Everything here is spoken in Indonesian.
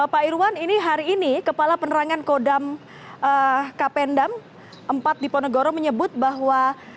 pak irwan ini hari ini kepala penerangan kodam kapendam empat di ponegoro menyebut bahwa